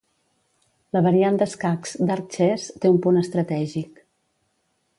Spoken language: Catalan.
La variant d'escacs Dark chess té un punt estratègic.